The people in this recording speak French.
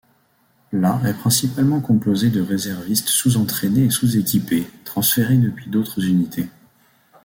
La est principalement composée de réservistes sous-entraînés et sous-équipés, transférés depuis d'autres unités.